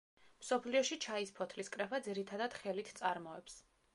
მსოფლიოში ჩაის ფოთლის კრეფა ძირითადად ხელით წარმოებს.